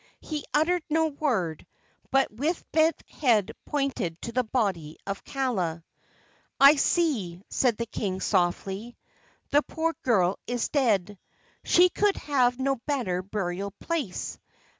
He uttered no word, but with bent head pointed to the body of Kaala. "I see," said the king, softly; "the poor girl is dead. She could have no better burial place.